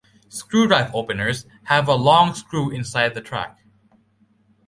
Screw drive openers have a long screw inside the track.